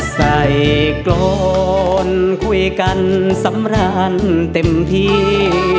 กรนคุยกันสำราญเต็มที่